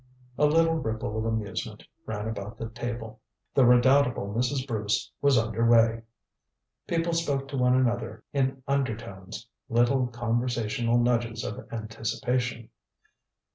A little ripple of amusement ran about the table. The redoubtable Mrs. Bruce was under way. People spoke to one another in undertones little conversational nudges of anticipation.